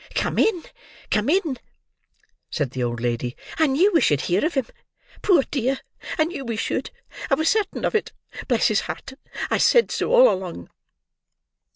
"Come in, come in," said the old lady: "I knew we should hear of him. Poor dear! I knew we should! I was certain of it. Bless his heart! I said so all along."